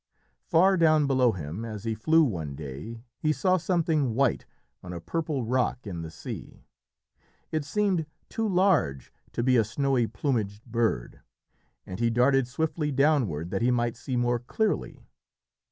Far down below him as he flew one day he saw something white on a purple rock in the sea. It seemed too large to be a snowy plumaged bird, and he darted swiftly downward that he might see more clearly.